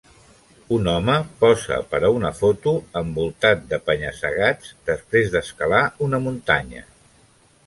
Un home posa per a una foto envoltat de penya-segats després d'escalar una muntanya.